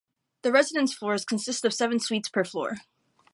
The residence floors consist of seven suites per floor.